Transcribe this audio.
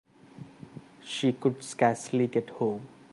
She could scarcely get home.